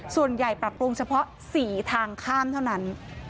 ปรับปรุงเฉพาะ๔ทางข้ามเท่านั้น